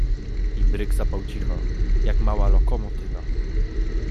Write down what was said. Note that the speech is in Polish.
Imbryk sapał cicho, jak mała lokomo tywa.